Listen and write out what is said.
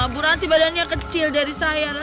bu ranti badannya kecil dari saya